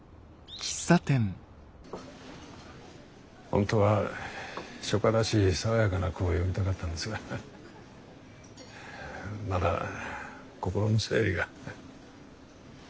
本当は初夏らしい爽やかな句を詠みたかったんですがまだ心の整理が。